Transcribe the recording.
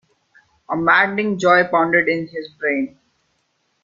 A maddening joy pounded in his brain.